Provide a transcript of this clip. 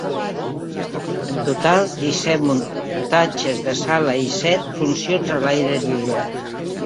En total, disset muntatges de sala i set funcions a l’aire lliure.